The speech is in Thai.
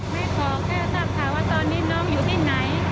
ส่วนความสุขของลูกชายความสุขของคุณค่ะ